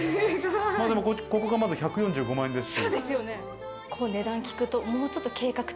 ここがまず１４５万円ですし。